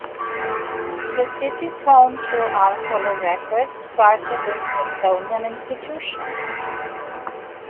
The city is home to Arhoolie Records, part of the Smithsonian Institution.